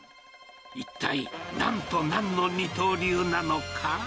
一体、なんとなんの二刀流なのか。